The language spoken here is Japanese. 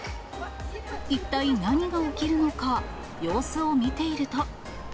一体何が起きるのか、様子を見ていると。